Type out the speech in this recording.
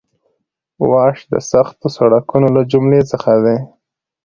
واش د سختو سړکونو له جملې څخه دی